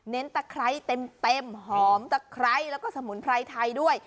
ตะไคร้เต็มหอมตะไคร้แล้วก็สมุนไพรไทยด้วย